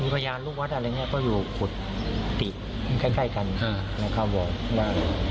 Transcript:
พยานลูกวัดอะไรอย่างนี้ก็อยู่ขุดติใกล้กันนะครับบอกว่า